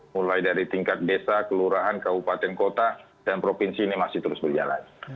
mulai dari tingkat desa kelurahan kabupaten kota dan provinsi ini masih terus berjalan